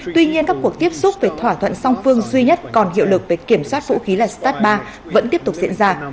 tuy nhiên các cuộc tiếp xúc về thỏa thuận song phương duy nhất còn hiệu lực về kiểm soát vũ khí là stat ba vẫn tiếp tục diễn ra